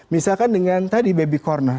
misalkan dengan tadi baby corner